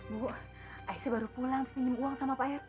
bu aisyah baru pulang pinjem uang sama pak rt